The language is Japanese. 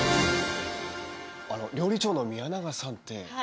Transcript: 料理長の宮永さんって。